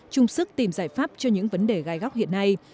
chung sức tìm giải pháp cho những vấn đề gai góc hiện nay